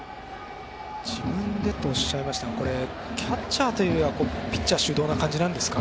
自分でとおっしゃいましたがキャッチャーというよりはピッチャー主導な感じですね。